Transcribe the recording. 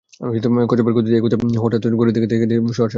কচ্ছপের গতিতে এগোতে এগোতে হঠাৎ ঘড়ির দিকে তাকিয়ে দেখি সোয়া সাতটা বাজে।